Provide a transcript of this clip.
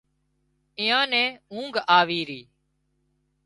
ايئان نين اونگھ آوي ري